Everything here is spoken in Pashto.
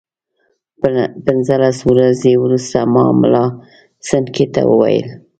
پنځلس ورځې وروسته ما ملا سنډکي ته وویل.